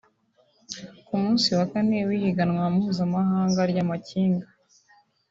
Ku munsi wa kane w'ihiganwa mpuzamahanga ry'amakinga